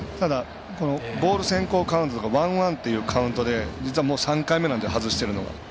ボール先行カウントワンワンというカウント３回目なので、外しているのが。